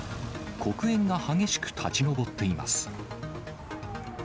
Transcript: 黒煙が激しく立ち上っています。